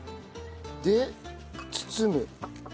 で包む。